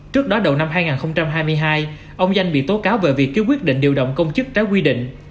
trước đó đầu năm hai nghìn hai mươi hai ông danh bị tố cáo về việc ký quyết định điều động công chức trái quy định